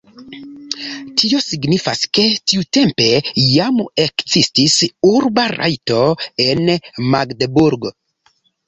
Tio signifas, ke tiutempe jam ekzistis urba rajto en Magdeburg.